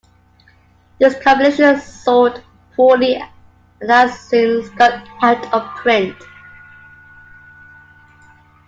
This compilation sold poorly and has since gone out of print.